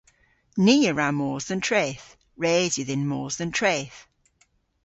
Ni a wra mos dhe'n treth. Res yw dhyn mos dhe'n treth.